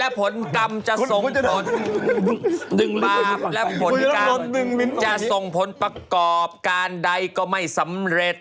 บาปและผลกรรมจะส่งผลประกอบการใดก็ไม่สำเร็จ